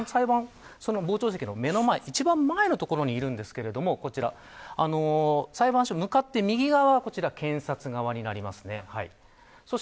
傍聴席の一番前の所にいるんですけれども裁判所向かって右側がこちら、検察側になります。